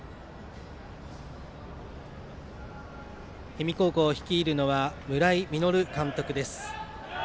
氷見高校を率いるのは村井実監督です。